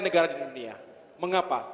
negara di dunia mengapa